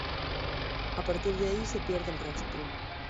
A partir de ahí se pierde el rastro.